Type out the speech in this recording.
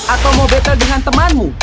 atau mau better dengan temanmu